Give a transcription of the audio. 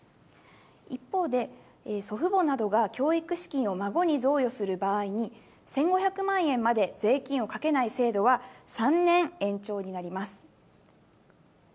一方で、祖父母などが教育資金を孫に贈与する場合に、１５００万円まで税金をかけない制度は、３年延長になります。